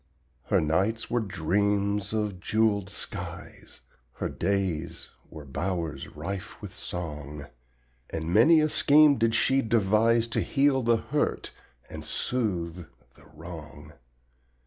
Her nights were dreams of jeweled skies, Her days were bowers rife with song, And many a scheme did she devise To heal the hurt and soothe the wrong.